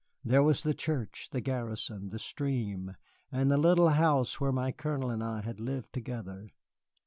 There was the church, the garrison, the stream, and the little house where my Colonel and I had lived together.